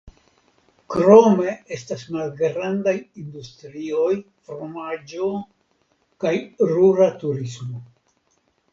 Krome estas malgrandaj industrioj (fromaĝo) kaj rura turismo.